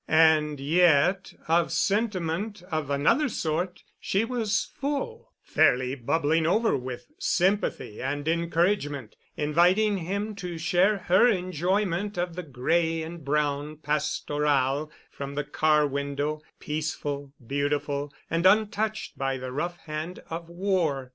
And yet of sentiment of another sort she was full, fairly bubbling over with sympathy and encouragement, inviting him to share her enjoyment of the gray and brown pastoral from the car window, peaceful, beautiful and untouched by the rough hand of war.